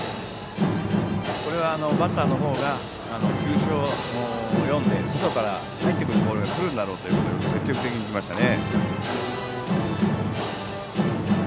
バッターの方が球種を読んで外から入ってくるボールが来るんだろうということで積極的でしたね。